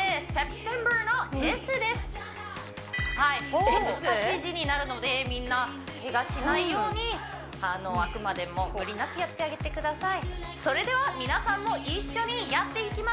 はい結構難しい字になるのでみんなけがしないようにあくまでも無理なくやってあげてください